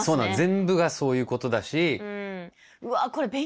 全部がそういうことだし。